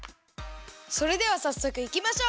それではさっそくいきましょう！